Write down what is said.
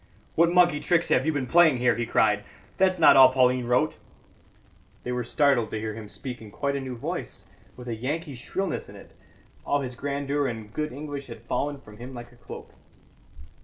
"What monkey tricks have you been playing here?" he cried. "That's not all Pauline wrote." They were startled to hear him speak in quite a new voice, with a Yankee shrillness in it; all his grandeur and good English had fallen from him like a cloak.